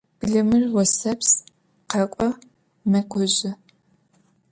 Bılımır voseps: khek'o, mek'ojı.